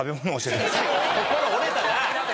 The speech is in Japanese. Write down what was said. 心折れたな！